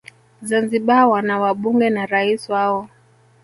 zanzibar wana wabunge na rais wao